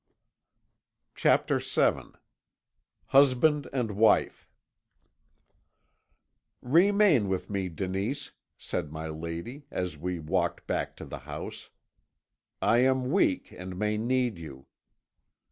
CHAPTER VII HUSBAND AND WIFE "Remain with me, Denise,' said my lady, as we walked back to the house. 'I am weak, and may need you."